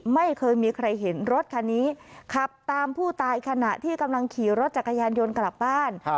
ไม่เคยมีใครเห็นรถคันนี้ขับตามผู้ตายขณะที่กำลังขี่รถจักรยานยนต์กลับบ้าน